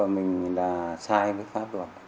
mình nghĩ là sai với pháp luật